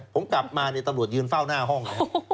ผมกลับมาเนี่ยตำรวจยืนเฝ้าหน้าห้อง